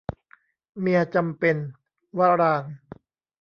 เมียจำเป็น - วรางค์